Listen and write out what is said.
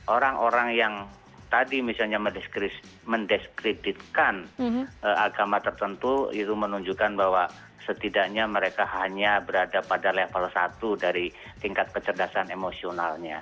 orang orang yang tadi misalnya mendiskreditkan agama tertentu itu menunjukkan bahwa setidaknya mereka hanya berada pada level satu dari tingkat kecerdasan emosionalnya